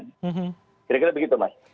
kira kira begitu mas